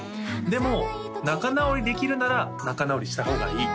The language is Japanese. でも仲直りできるなら仲直りした方がいい